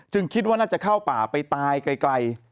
คิดว่าน่าจะเข้าป่าไปตายไกล